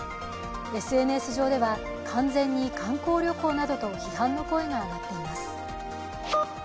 ＳＮＳ上では完全に観光旅行などと批判の声が上がっています。